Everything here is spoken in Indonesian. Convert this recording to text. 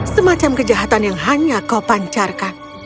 semacam kejahatan yang hanya kau pancarkan